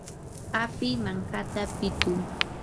api mankata pituy.